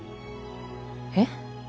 えっ？